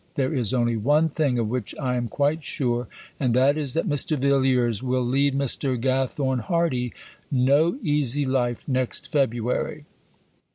There is only one thing of which I am quite sure. And that is that Mr. Villiers will lead Mr. Gathorne Hardy no easy life next February."